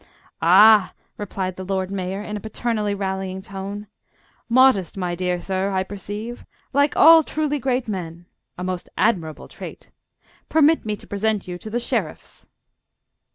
"Ah!" replied the Lord Mayor, in a paternally rallying tone. "Modest, my dear sir, I perceive. Like all truly great men! A most admirable trait! Permit me to present you to the Sheriffs."